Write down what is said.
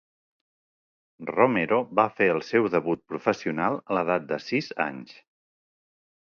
Romero va fer el seu debut professional a l'edat de sis anys.